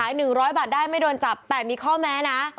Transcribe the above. ๑๐๐บาทได้ไม่โดนจับแต่มีข้อแม้นะ